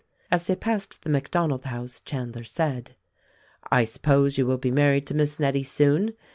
As thev passed the MacDonald house Chandler said, "I suppose you will be married to Miss Nettie soon.